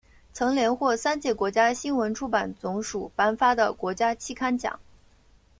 曾连获三届国家新闻出版总署颁发的国家期刊奖。